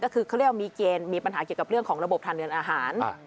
ก็คือเขาเรียกว่ามีเกณฑ์มีปัญหาเกี่ยวกับเรื่องของระบบทางเดินอาหาร